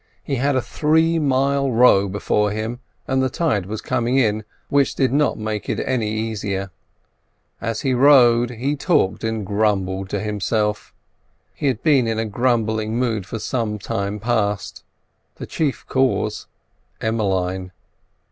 He had a three mile row before him, and the tide was coming in, which did not make it any the easier. As he rowed, he talked and grumbled to himself. He had been in a grumbling mood for some time past: the chief cause, Emmeline.